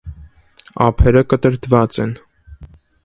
Ափերը կտրտված են։